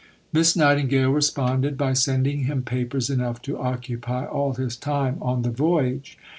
Miss Nightingale responded by sending him papers enough to occupy all his time on the voyage.